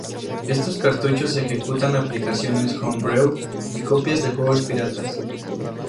Estos cartuchos ejecutan aplicaciones homebrew y copias de juegos piratas.